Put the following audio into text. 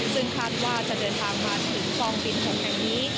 ซึ่งคาดว่าจะเดินทางมาถึงคลองปีน๖แห่งนี้